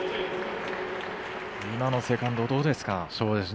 今のセカンドどうですか？